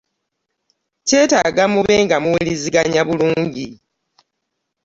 Kyetaaga mube nga muwuliziganya bulungi.